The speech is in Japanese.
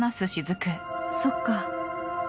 そっか。